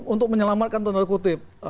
untuk menyelamatkan tanda kutip